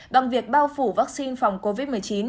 bằng việc bao phủ vaccine phòng covid một mươi chín